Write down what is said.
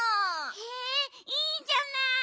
へえいいじゃない！